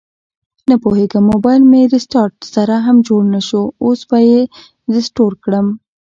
نپوهیږم مبایل مې ریسټارټ سره هم جوړ نشو، اوس به یې ریسټور کړم